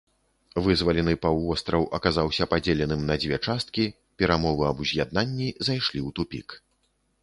Вызвалены паўвостраў аказаўся падзеленым на дзве часткі, перамовы аб уз'яднанні зайшлі ў тупік.